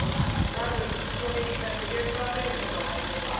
まず聞き込みアンド現場検証から始めようか。